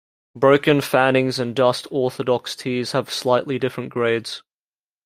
Broken, fannings and dust orthodox teas have slightly different grades.